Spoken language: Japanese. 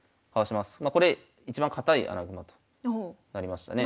まあこれ一番堅い穴熊となりましたね。